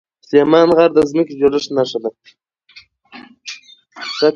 سلیمان غر د ځمکې د جوړښت نښه ده.